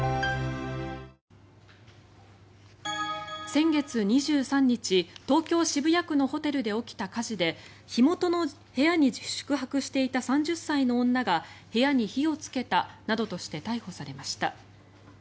先月２３日、東京・渋谷区のホテルで起きた火事で火元の部屋に宿泊していた３０歳の女が部屋に火をつけたなどとして逮捕されました。